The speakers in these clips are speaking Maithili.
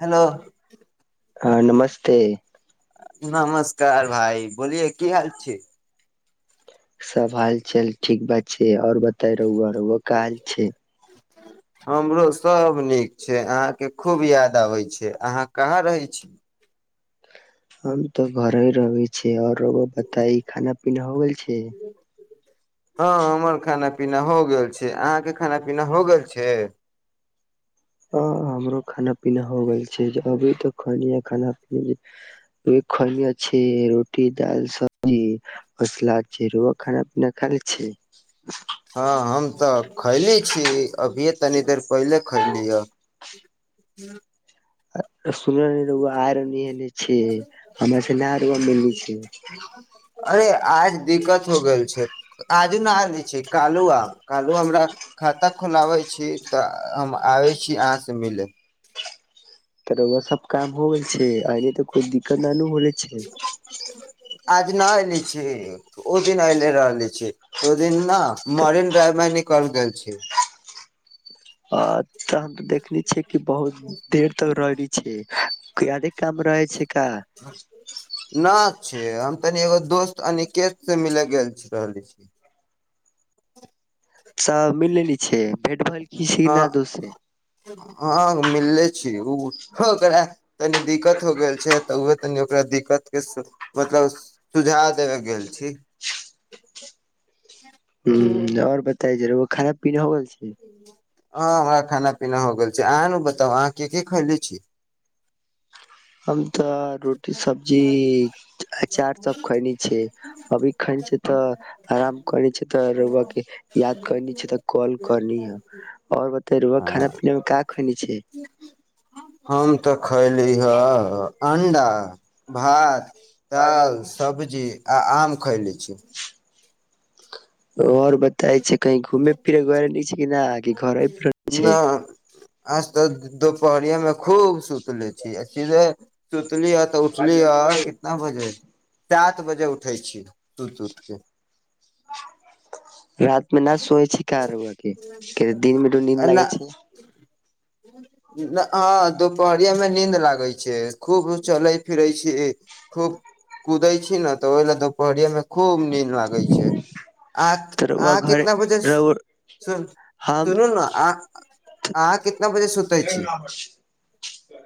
हेलो हँ नमस्ते नमस्कार भाइ बोलियए की हाल छी सब हालचाल ठीक बात छै आर बाजु बत रहआ रह काज छै [unintelligible] हमरो सभ नीक छै अहाँके खूब याद आबय छैक अहाँ कहाँ रहय छी हम तऽ घरहे रहय छी ओर रौआ बताइ खाना पीना हो गेल छैक हँ हमर खाना पीना हो गेल छैक अहाँके खाना पीना हो गेल छैक ह हमरो खाना पीना हो गेल छैक अभी तऽ खनि खाना पिना खनि छै रोटी दाल सब्जी सलाद छैक रउआ खाना पीना खायल छैक हँ हम तऽ खैली छी अभीे तनी देर पहिले खैली [unintelligible] [inaudible] आ सुनल रही रउआ रहनी एने छै हमरा से ना रउआ मिलनी छै अरे आज दिक्कत हो गेल छै आजु न आएले छै कालू आ कालहो हमरा खाता खोलाबै छी तऽ हम आबै छी अहाँ सँ मिलय रौआऽ सब काम हो गेल छै अइली तऽ कोइ दिक्कत न नू बोलै छै आज न ऐले छी ओ दिन अऐले रहले छी तऽ ओ दिन ने त मरीन ड्राइव माहे निकल गेल छी अच देर तक रहली छै यादे काम रहे छै का न छी हम तनि एगो दोस्त अनिकेत से मिल गेल रहले छी सब मिल लेली छै भेट भइल की ना दोस से मिल्लै छै ओ ओकरा तनी दिक्कत हो गेल छै तऽ तनि ओकरा दिक्कत के मतलब सुझाव देबे गेल छी ह ओर बताए ज र‌उआ खाना पीना हो गेल छै ह [inaudible] हँ हमरा खाना पीना हो गेल छै अहाँ नहि बताउ अहाँ के के खैले छी हम त रोटी सब्जी अचार सब खैनी छै अभी खैनी छै तऽ आराम करनी छै त र‌उआ के याद करनी छै त कॉल करली ह और बताइ र‌उआ खाना पीना मे का खैनी छै हँ तऽ खैली ह अंडा भात दाल सब्जी आ आम खयले छी और बताए छै कही घूमे फिरे गैल रहनी छै कि ना कि घरे पे रहै न छै आज त दो परिया मे खूब सुतले छी आ सीधे तुर तली ह तऽ उठली ह कितना बजे सात सात बजे उठै छीयै सुति उठि के रात मे न सोैयै छि का र‌उआ के दिन मे नींद लागै छै ह दुपहरिया मे नींन्द लागै छै खूब चले फिरै छी खूब कुदै छी ने तऽ ओहि ल दुपहरिया मे खूब नीन्द लागै छै आ त रउआ अहां घर कितना बजे रउआ सुन हम सुनू न आ अहां कितना बजे सुतै छी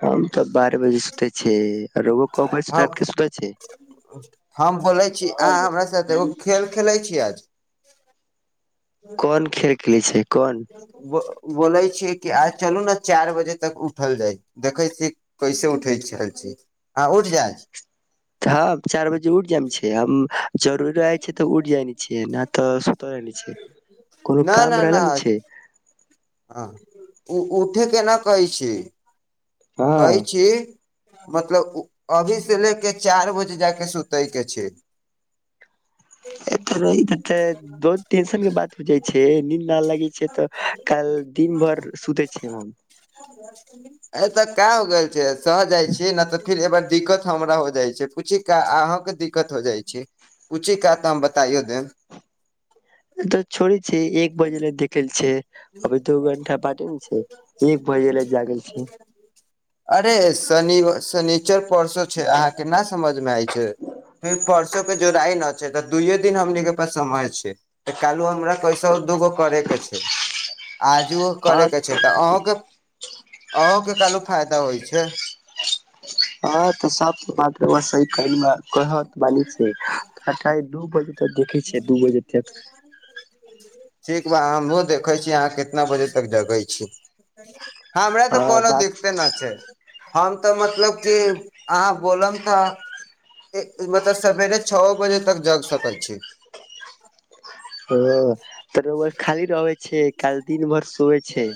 हम तऽ बारह बजे सुते छि हम हम बोलै छी अहाँ हमरा साथ एगो खेल खेलैत छीय आज [inaudible] कोन खेल खेले छै कोन व बोलै छियै कि आइ चलू ने चारि बजे तक उठल जाय देखै छियै कैसे उठै छल छ अहाँ उठि जाय हां चार बजे उठ जाम छैइ हम जरूरी रहय छैइ तऽ उठ जाय छियै न तऽ सुतल रहली छै कोनो काम रहल ने छै हँ ओ उठे केना कहै छी कहै हँ छी मतलब अभी से ले क चारि बजे जा कऽ सुतै के छैइ ए तर ई [unintelligible] से दूध [unintelligible] टेंशन के बात हो जाइ छै नीन्द नहि लागै छै तऽ काल् दिन भर सुते छिअइ हम ए तऽ [inaudible] सह जाइ छी नइ तऽ फिर एबइ दिक्कत हमरा हो जाइ छैइ पूछि का अहाँकेँ दिक्कत हो जाइ छैइ पूछि का तऽ हम बताइयो देम तऽ छोड़ी छैइ एक बजेला देखल छैइ एक बजे ले जागल छै अरे स शनि शनी चर परसो छै अहाँ के ना समझ मे आय छै फिर परसो जोड़ाआइ न छै तऽ दुइयए दिन हमनी के पास समय छैइ तऽ कालू हमरा कैसहू दूगो करे के छैइ [inaudible] आजूओ हँ करय के छै तऽ अहूँके अंहू के कहलू फायदा होइ छै हँ तऽ सब बात रउआ सही कहली बात कहत बालिक से आइ काल दू बजे तऽ देखै छियै दू बजे तक ठीक बा हमहूँ देखै छी अहाँ केतना बजे तक जगै छी हमरा तऽ हँ कोनो बात दिक्ते न छैय हम तऽ मतलब कि अहाँ बोलम त मतलब सवेरे छओ बजे तक जग सकै छी [inaudible] ओ त रउआ खाली रहै छै काल दिन भर सुवै छै